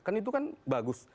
kan itu kan bagus